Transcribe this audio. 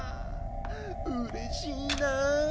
うれしいなぁ。